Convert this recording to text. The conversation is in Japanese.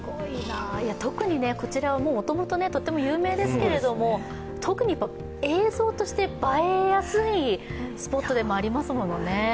特にこちらはもともととっても有名ですけれども特に映像として映えやすいスポットでもありますもんね。